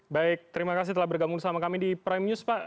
baik terima kasih telah bergabung sama kami di prime news pak